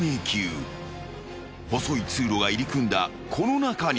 ［細い通路が入り組んだこの中に］